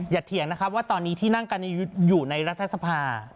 เถียงนะครับว่าตอนนี้ที่นั่งกันอยู่ในรัฐสภา